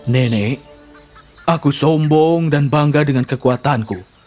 nenek aku sombong dan bangga dengan kekuatanku